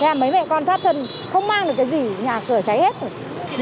thế là mấy mẹ con thoát thân không mang được cái gì nhà cửa cháy hết rồi